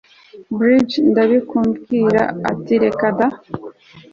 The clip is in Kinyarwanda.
bridge ndabikubwira uti reka da